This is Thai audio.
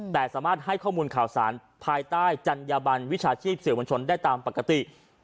แต่สามารถให้ข้อมูลข่าวสารภายใต้จัญญาบันวิชาชีพสื่อมวลชนได้ตามปกติ